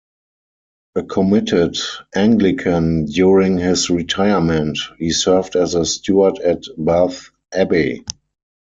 A committed Anglican, during his retirement he served as a steward at Bath Abbey.